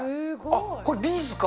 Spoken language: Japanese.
これ、ビーズか。